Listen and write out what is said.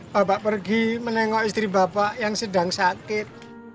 bapak pergi menengok istri bapak yang sedang sakit